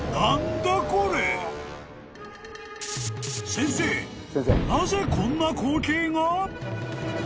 ［先生なぜこんな光景が？］